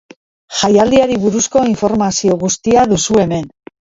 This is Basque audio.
Jaialdiari buruzko informazio guztia duzue hemen.